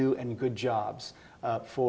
sangat jelas bahwa